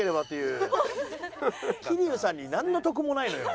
桐生さんになんの得もないのよ。